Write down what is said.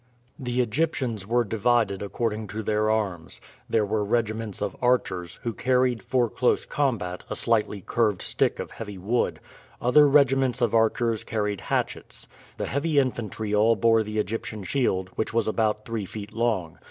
The Egyptians were divided according to their arms. There were regiments of archers, who carried, for close combat, a slightly curved stick of heavy wood; other regiments of archers carried hatchets. The heavy infantry all bore the Egyptian shield, which was about three feet long.